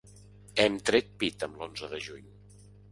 Hem tret pit amb l’onze de juny.